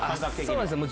そうなんですよ。